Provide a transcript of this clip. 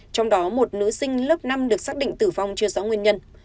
trong đó một nữ sinh lớp năm được xác định tử vong chưa rõ nguyên nhân